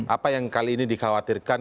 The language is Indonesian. apa yang kali ini dikhawatirkan